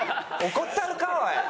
怒ったろかおい！